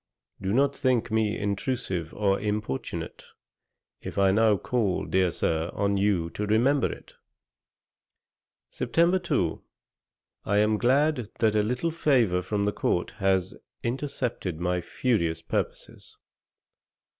Do not think me intrusive or importunate, if I now call, dear Sir, on you to remember it.' Sept. 2. 'I am glad that a little favour from the court has intercepted your furious purposes.